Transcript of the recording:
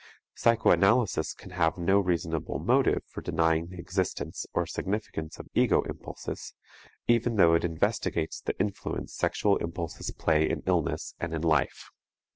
Psychoanalysis can have no reasonable motive for denying the existence or significance of ego impulses, even though it investigates the influence sexual impulses play in illness and in life.